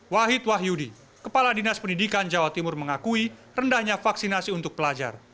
wahid wahyudi kepala dinas pendidikan jawa timur mengakui rendahnya vaksinasi untuk pelajar